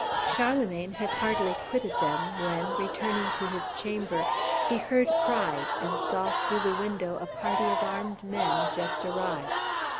Charlemagne had hardly quitted them when, returning to his chamber, he heard cries, and saw through the window a party of armed men just arrived.